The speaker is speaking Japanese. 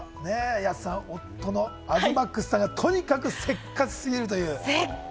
安さん、夫・東ＭＡＸさんがとにかくせっかち過ぎるという。